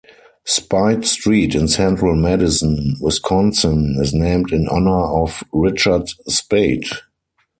Spaight Street in central Madison, Wisconsin is named in honor of Richard Spaight.